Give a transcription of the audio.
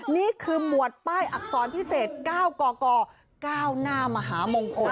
นี่คือหมวดป้ายอักษรพิเศษ๙กก๙หน้ามหามงคล